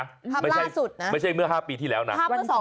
ภาพล่าสุดนะภาพเมื่อ๒๓วันก่อนไม่ใช่เมื่อ๕ปีที่แล้วนะ